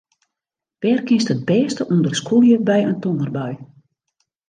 Wêr kinst it bêste ûnder skûlje by in tongerbui?